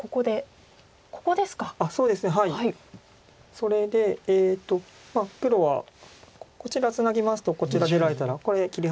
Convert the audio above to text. それで黒はこちらツナぎますとこちら出られたらこれ切り離されてしまいますので。